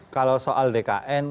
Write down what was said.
kalau soal dkn